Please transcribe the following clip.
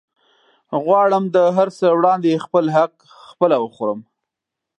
غواړم د هرڅه وړاندې خپل حق خپله وخورم